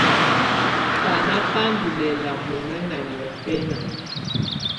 Banà bà ndù lɛla munɛna niɔ̀fɛna.